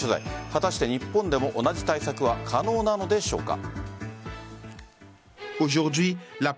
果たして日本でも同じ対策は可能なのでしょうか。